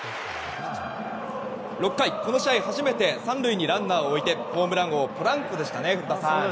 ６回、この試合初めて３塁にランナーを置いてホームラン王ポランコでしたね古田さん。